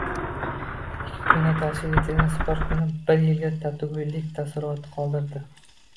Ikki kunda tashkil etilgan “Sport kuni” bir yilga tatigulik taassurot qoldirdi